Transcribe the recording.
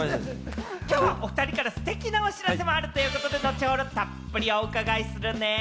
きょうはおふたりからステキなお知らせもあるということで、後ほどたっぷりお伺いするね。